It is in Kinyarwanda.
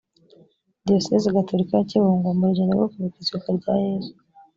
diyosezi gatolika ya kibungo mu rugendo rwo kwibuka izuka rya yezu